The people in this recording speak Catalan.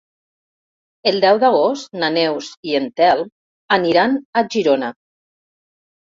El deu d'agost na Neus i en Telm aniran a Girona.